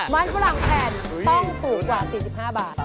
วันผู้หลังแผ่นต้องถูกกว่า๔๕บาท